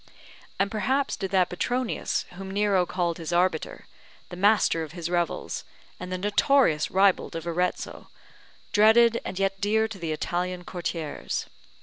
As perhaps did that Petronius whom Nero called his Arbiter, the master of his revels; and the notorious ribald of Arezzo, dreaded and yet dear to the Italian courtiers.